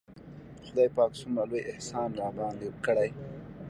خداى پاک څومره لوى احسان راباندې کړى.